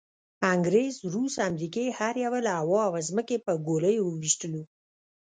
انګریز، روس، امریکې هر یوه له هوا او ځمکې په ګولیو وویشتلو.